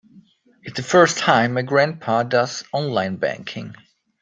It's the first time my grandpa does online banking.